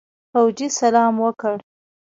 فوجي سلام وکړ.